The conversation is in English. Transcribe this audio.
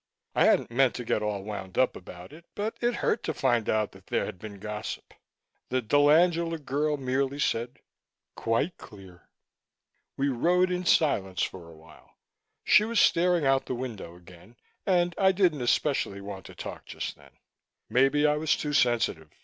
I hadn't meant to get all wound up about it, but it hurt to find out that there had been gossip. The dell'Angela girl merely said: "Quite clear." We rode in silence for a while. She was staring out the window again, and I didn't especially want to talk just then. Maybe I was too sensitive.